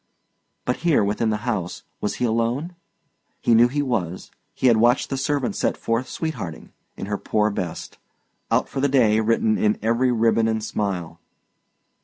But here, within the house, was he alone? He knew he was; he had watched the servant set forth sweet hearting, in her poor best, "out for the day" written in every ribbon and smile.